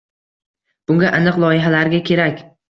Bunga aniq loyihalarga kerak.